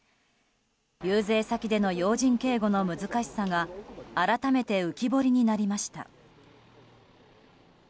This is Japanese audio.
遊説先での要人警護の難しさが改めて浮き彫りになりました。